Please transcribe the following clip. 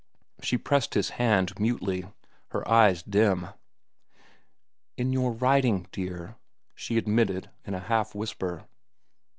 She pressed his hand mutely, her eyes dim. "In your writing, dear," she admitted in a half whisper.